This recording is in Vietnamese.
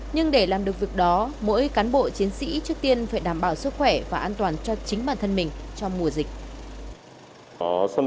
nhưng để làm được việc đó mỗi cán bộ chiến sĩ trước tiên phải đảm bảo sức khỏe và an toàn cho chính bản thân mình trong mùa dịch